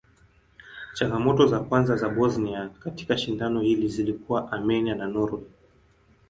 Changamoto za kwanza za Bosnia katika shindano hili zilikuwa Armenia na Norway.